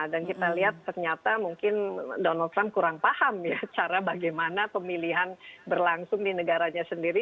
dan kita lihat ternyata mungkin donald trump kurang paham ya cara bagaimana pemilihan berlangsung di negaranya sendiri